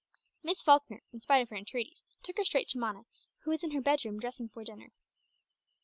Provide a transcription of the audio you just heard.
Miss Falkner, in spite of her entreaties, took her straight to Mona, who was in her bedroom dressing for dinner.